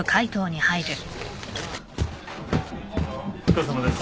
お疲れさまです。